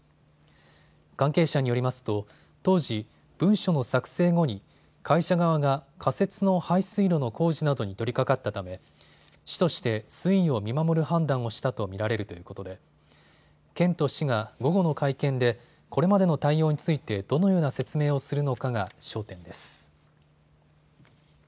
関係者によりますと当時、文書の作成後に会社側が仮設の排水路の工事などに取りかかったため市として推移を見守る判断をしたと見られるということで県と市が午後の会見でこれまでの対応についてどのような説明をするのかが焦点です。